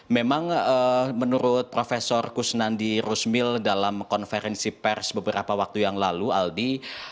memang menurut prof kusnandi rusmil dalam konferensi pers beberapa waktu yang lalu aldi